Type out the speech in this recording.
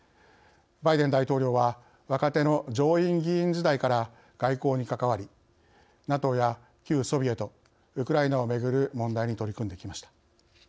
バイデン大統領は若手の上院議員時代から外交に関わりＮＡＴＯや旧ソビエトウクライナをめぐる問題に取り組んできました。